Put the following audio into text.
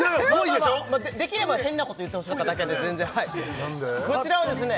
できれば変なこと言ってほしかっただけで全然はいこちらはですね